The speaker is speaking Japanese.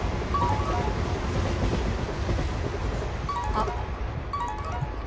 あっ。